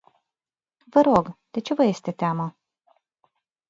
Vă rog, de ce vă este teamă?